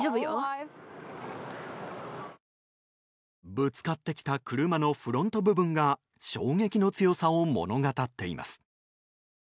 ぶつかってきた車のフロント部分が衝撃の強さを物語っています。